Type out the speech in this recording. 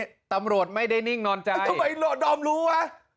ตำรวจไม่ได้นิ่งนอนใจทำไมดอมรู้วะ